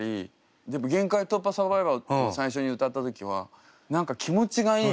でも「限界突破×サバイバー」っていう最初に歌った時は何か気持ちがいい。